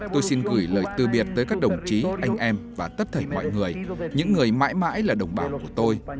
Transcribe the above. tôi xin gửi lời tư biệt tới các đồng chí anh em và tất thể mọi người những người mãi mãi là đồng bào của tôi